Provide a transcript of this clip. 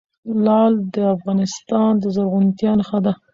لعل د افغانستان د زرغونتیا نښه ده.